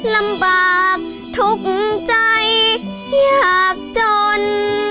ลำบากทุกข์ใจอยากจน